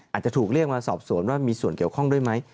อาจจะถูกเรียกมาสอบสวนว่ามีส่วนเกี่ยวข้องด้วยไหม